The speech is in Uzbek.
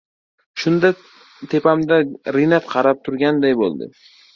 shunda tepamda Rinat qarab turganday bo‘ldi